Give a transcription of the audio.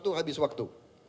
itu sudah habis waktu